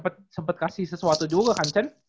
itu kan cepet kasih sesuatu juga kan cen